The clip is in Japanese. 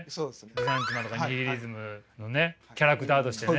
ルサンチマンとかニヒリズムのねキャラクターとしてね。